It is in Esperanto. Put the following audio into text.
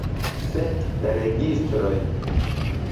Sed la registroj!